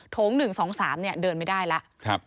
ง๑๒๓เดินไม่ได้แล้ว